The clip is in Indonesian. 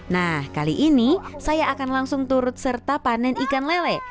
nah kali ini saya akan langsung turut serta panen ikan lele